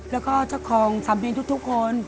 แล้วช่องของสามิงทุกคน